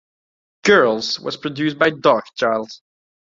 "Girls" was produced by Darkchild.